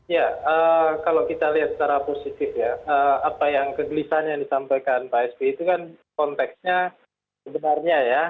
ya kalau kita lihat secara positif ya apa yang kegelisahan yang disampaikan pak sby itu kan konteksnya sebenarnya ya